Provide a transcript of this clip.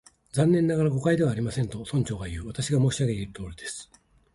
「残念ながら、誤解ではありません」と、村長がいう。「私が申し上げているとおりです」